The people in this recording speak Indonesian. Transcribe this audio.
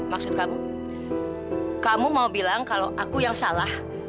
maksud kamu kamu mau bilang kalau aku yang salah